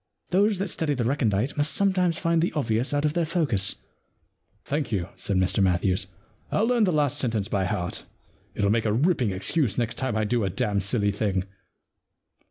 Those that study the recondite must sometimes find the obvious out of their focus.' * Thank you,' said Mr Matthews. ' I'll learn the last sentence by heart — it'll make a ripping excuse next time I do a dam' silly thing.